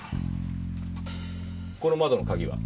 この窓の鍵は？